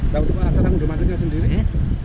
ya untuk acara munduh mantunya sendiri